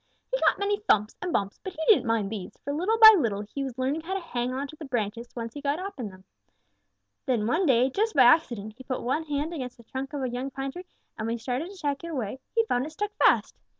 He got many thumps and bumps, but he didn't mind these, for little by little he was learning how to hang on to the branches once he got up in them. Then one day, just by accident, he put one hand against the trunk of a young pine tree, and when he started to take it away, he found it stuck fast.